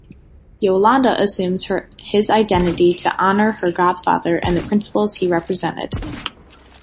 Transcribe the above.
Yolanda assumes his identity to honor her godfather and the principles he represented.